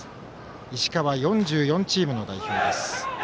石川４４チームの代表です。